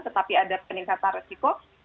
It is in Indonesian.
tetapi ada peningkatan risiko